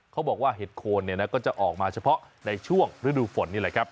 เขาบอกว่าเห็ดโคนเนี่ยนะก็จะออกมาเฉพาะในช่วงฤดูฝนนี่แหละครับ